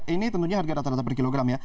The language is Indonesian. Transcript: ini tentunya harga rata rata per kilogram ya